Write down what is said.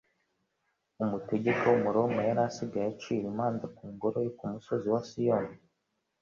Umutegeka w'Umuroma yari asigaye acira imanza mu ngoro yo ku musozi wa Sioni.